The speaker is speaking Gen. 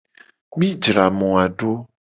Mi jra moa do.